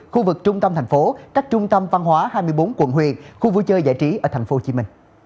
khu vực trung tâm thành phố cách trung tâm văn hóa hai mươi bốn quận huyện khu vui chơi giải trí ở tp hcm